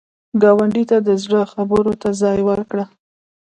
ګاونډي ته د زړه خبرو ته ځای ورکړه